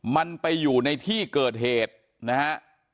มันไปอยู่ในที่เกิดเหตุนะฮะ